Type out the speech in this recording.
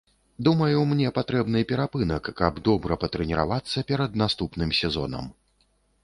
Думаю, мне патрэбны перапынак, каб добра патрэніравацца перад наступным сезонам.